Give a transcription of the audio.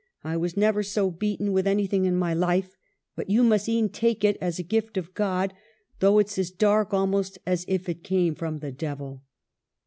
I was never so beaten with 234 EMILY BROXTE. anything in my life : but you must e'en take it as a gift of God ; though it's as dark almost as if it came from the devil.'